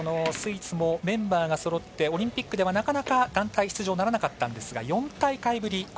スイスもメンバーがそろってオリンピックでは、なかなか団体出場ならなかったんですが４大会ぶり